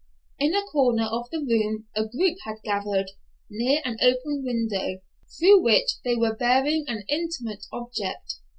In a corner of the room a group had gathered, near an open window, through which they were bearing an inanimate object.